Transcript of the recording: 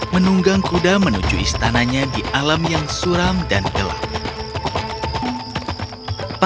menunggang kuda menuju istananya di alam yang suram dan gelap